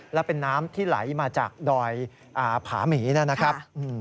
และเป็นน้ำที่ไหลมาจากดอยผาหมีนะครับ